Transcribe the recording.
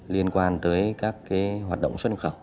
liên quan tới các hoạt động